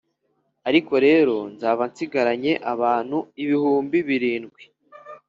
Ariko rero nzaba nsigaranye abantu ibihumbi birindwi